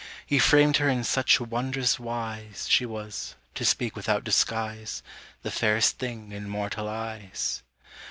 He framed her in such wondrous wise, She was, to speak without disguise, The fairest thing in mortal eyes.